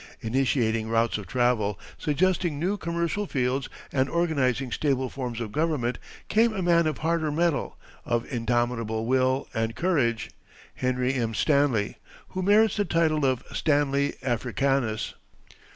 Initiating routes of travel, suggesting new commercial fields, and organizing stable forms of government, came a man of harder metal, of indomitable will and courage, Henry M. Stanley, who merits the title of Stanley Africanus.